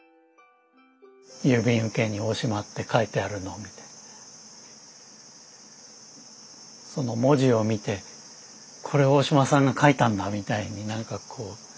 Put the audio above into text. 郵便受けに「大島」って書いてあるのを見てその文字を見て「これ大島さんが書いたんだ」みたいになんかこう思って。